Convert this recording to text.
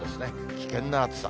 危険な暑さ。